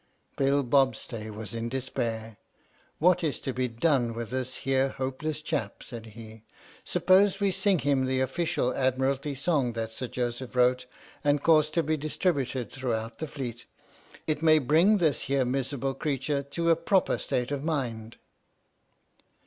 Bill Bobstay was in despair. "What is to be done with this here hopeless chap ?" said he. " Suppose we sing him the official Admiralty song that Sir Joseph wrote and caused to be distributed through the Fleet? It may bring this here miserable creetur to a proper state of mind!"